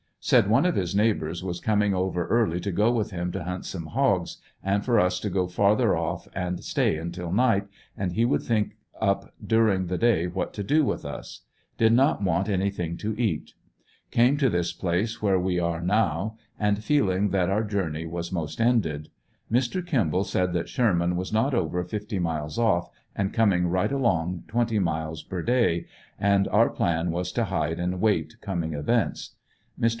Said one of his neighbors was coming over early to go with him to hunt some hogs, and for us to go farther off and stay until night, and he would think up during the day what to do with us. Did not want anything to eat. Came to this place where we now are, and feeling that our journey was most ended. Mr. Kimball said that Sherman was not over fifty miles off, and coming right along twenty miles per day, and our plan was to hide and await coming events. Mr.